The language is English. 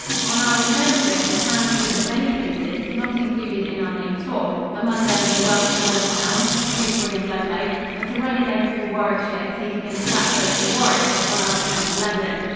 On our return trip, we planned to visit many places not included in our main tour, among them the Welsh border towns, Shrewsbury and Ludlow, and to run again through Warwickshire, taking in Stratford and Warwick, on our return to London.